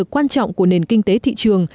quan trọng của nền kinh tế thị trường